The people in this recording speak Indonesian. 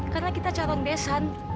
karena kita caron besan